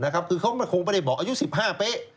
คือเขาคงไม่ได้บอกอายุ๑๕เป๊ะ